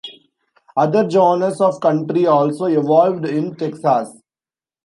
Other genres of country also evolved in Texas.